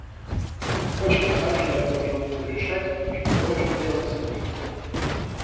Точно так же я должен буду решать, что должен делать с ней.